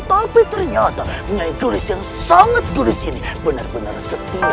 tapi ternyata nyai geris yang sangat geris ini benar benar setia pada